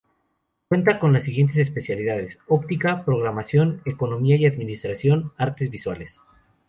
Cuenta con las siguientes especialidades: Óptica, Programación, Economía y Administración, Artes Visuales.